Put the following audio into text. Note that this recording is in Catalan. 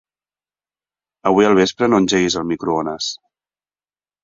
Avui al vespre no engeguis el microones.